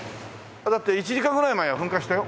だって１時間くらい前は噴火したよ。